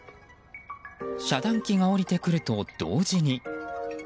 遮断機が下りてくると同時に。